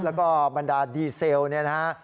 แล้วก็บรรดาดีเซลเนี่ยนะฮะ